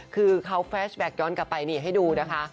คือเขาแฟชแบ็คย้อนกลับไปนี่ให้ดูนะคะ